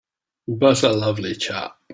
But a lovely chap!